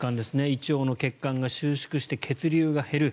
胃腸の血管が収縮して血流が減る。